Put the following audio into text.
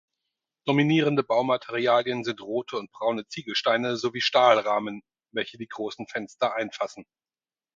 Dominierende Baumaterialien sind rote und braune Ziegelsteine sowie Stahlrahmen, welche die großen Fenster einfassen.